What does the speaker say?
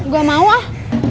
gua mau ah